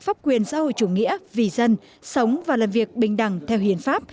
pháp quyền xã hội chủ nghĩa vì dân sống và làm việc bình đẳng theo hiến pháp